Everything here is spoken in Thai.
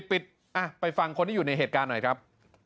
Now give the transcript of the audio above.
ปิดไปฟังคนที่อยู่ในเหตุการณ์หน่อยครับ